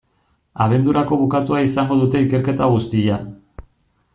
Abendurako bukatua izango dute ikerketa guztia.